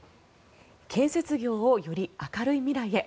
建設業をより明るい未来へ。